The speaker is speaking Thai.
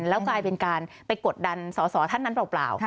แล้วกลายเป็นการไปกดดันสอสอท่านนั้นเปล่า